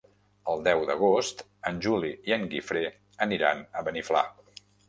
El deu d'agost en Juli i en Guifré aniran a Beniflà.